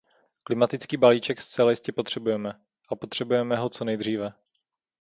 Klimatický balíček zcela jistě potřebujeme, a potřebujeme ho co nejdříve.